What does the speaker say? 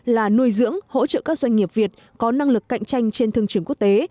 là nuôi dưỡng hỗ trợ các doanh nghiệp việt có năng lực cạnh tranh trên thương trường quốc tế